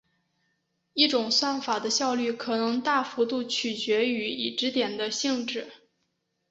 一种算法的效率可能大幅度取决于已知点的性质。